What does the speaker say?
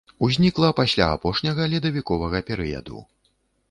Узнікла пасля апошняга ледавіковага перыяду.